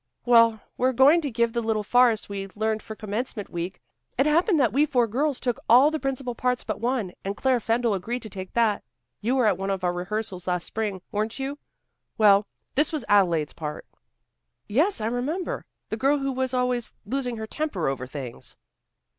"Well, we're going to give the little farce we learned for commencement week. It happened that we four girls took all the principal parts but one, and Claire Fendall agreed to take that. You were at one of our rehearsals last spring, weren't you? Well, this was Adelaide's part." "Yes, I remember. The girl who was always losing her temper over things."